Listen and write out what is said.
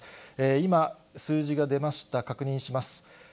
今、数字が出ました、確認します。